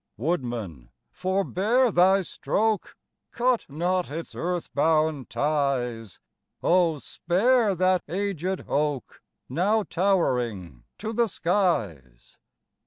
Woodman, forebear thy stroke! Cut not its earth bound ties; Oh, spare that aged oak, Now towering to the skies!